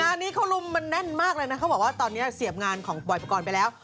งานนี้เขาลุมมันแน่นมากเลยนะเขาบอกว่าตอนนี้เสียบงานของบอยปกรณ์ไปแล้ว